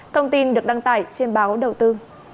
công tin được đăng tải trên báo đầu tư